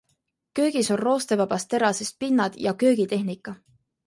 Köögis on roostevabast terasest pinnad ja köögitehnika.